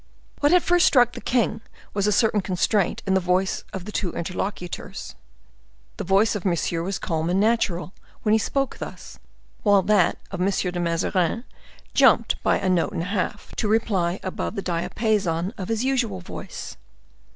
What had first struck the king was a certain constraint in the voices of the two interlocutors. The voice of Monsieur was calm and natural when he spoke thus; while that of M. de Mazarin jumped by a note and a half to reply above the diapason of his usual voice.